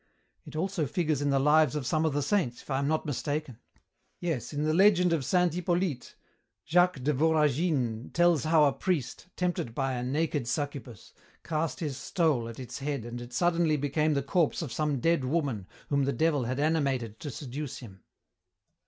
It also figures in the lives of some of the saints, if I am not mistaken. Yes, in the legend of Saint Hippolyte, Jacques de Voragine tells how a priest, tempted by a naked succubus, cast his stole at its head and it suddenly became the corpse of some dead woman whom the Devil had animated to seduce him."